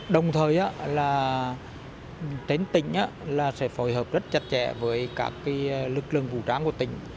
đồng thời tỉnh sẽ phối hợp rất chặt chẽ với các lực lượng vũ trang của tỉnh